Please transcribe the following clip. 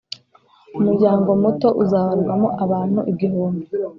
umuryango muto uzabarwamo abantu igihumbi,